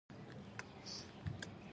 چېرته چي دي شتون او نه شتون سره برابر وي